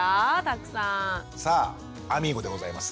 さああみーゴでございます。